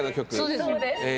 そうです。